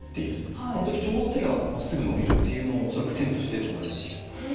この時ちょうど手がまっすぐ伸びるっていうのを恐らく線として捉えている。